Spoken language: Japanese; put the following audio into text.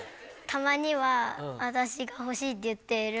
たまには私が欲しいって言っている。